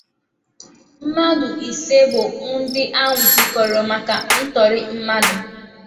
mmadụ ise bụ ndị a nwụchikọrọ maka ntọrị mmadụ